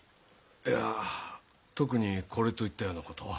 いやあ特にこれといったようなことは。